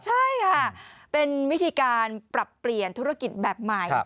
ใช่ค่ะเป็นวิธีการปรับเปลี่ยนธุรกิจแบบใหม่